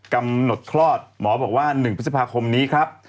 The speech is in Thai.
กำหนดคลอดหมอบอกว่า๑พฤษภาคมนี้ครับ